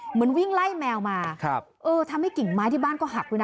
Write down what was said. เหมือนวิ่งไล่แมวมาทำให้กิ่งไม้ที่บ้านก็หักด้วยนะ